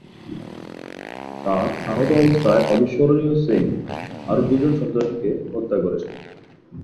তাঁর আহত অবস্থায় অবিস্মরণীয় সিং আরও দু'জন সন্ত্রাসীকে হত্যা করেছিলেন।